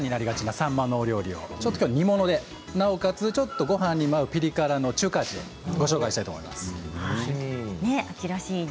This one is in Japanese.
さんまのお料理を煮物でなおかつごはんにも合うピリ辛の中華風にご紹介したいと思います。